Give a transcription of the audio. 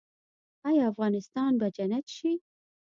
آیا افغانستان به جنت شي؟